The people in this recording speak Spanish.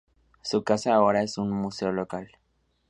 Su casa ahora es un museo local.